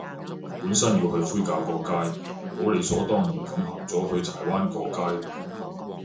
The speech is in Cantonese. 本身要去灰窰角街，好理所當然噉行咗去柴灣角街